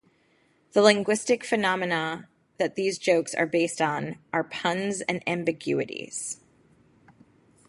The linguistic phenomena that these jokes are based on are puns and ambiguities.